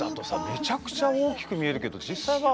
めちゃくちゃ大きく見えるけど実際は。